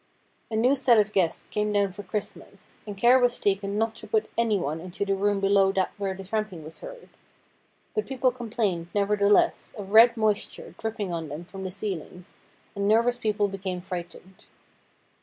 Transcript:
A new set of guests came down for Christmas, and care was taken not to put anyone into the room below that where the tramping was heard. But people complained, neverthe less, of red moisture dripping on them from the ceilings, and nervous people became frightened.